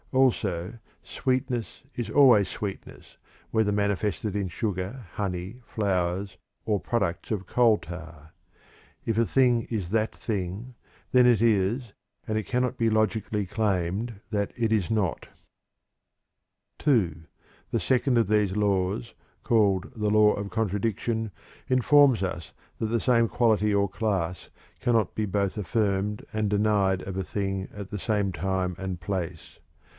Also, sweetness is always sweetness, whether manifested in sugar, honey, flowers, or products of coal tar. If a thing is that thing, then it is, and it cannot be logically claimed that it is not. II. The second of these laws, called "The Law of Contradiction," informs us that the same quality or class cannot be both affirmed and denied of a thing at the same time and place.